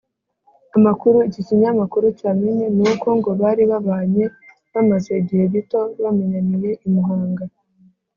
amakuru iki kinyamakuru cyamenye ni uko ngo bari babanye bamaze igihe gito bamenyaniye i muhanga